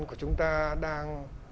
của chúng ta đang